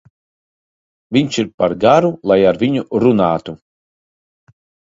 Viņš ir par garu, lai ar viņu runātu.